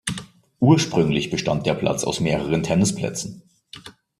Ursprünglich bestand der Platz aus mehreren Tennisplätzen.